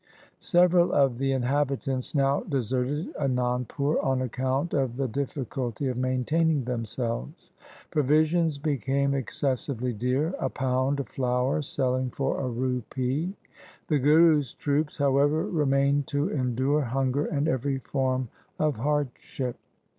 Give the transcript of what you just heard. Several of the inhabitants now deserted Anandpur on account of the difficulty of maintaining them LIFE OF GURU GOBIND SINGH 175 selves. Provisions became excessively dear, a pound of flour selling for a rupee. The Guru's troops, however, remained to endure hunger and every form of hardship.